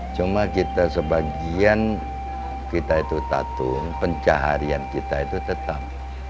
cuma kita sebagian kita itu tatung pencaharian kita itu tetap